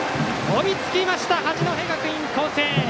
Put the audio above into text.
追いつきました八戸学院光星！